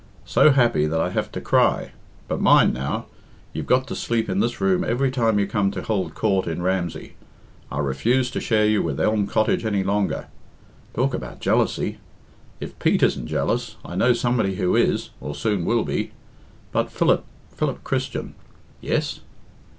So happy that I have to cry. But mind now, you've got to sleep in this room every time you come to hold court in Ramsey. I refuse to share you with Elm Cottage any longer. Talk about jealousy! If Pete isn't jealous, I know somebody who is or soon will be. But Philip Philip Christian " "Yes?"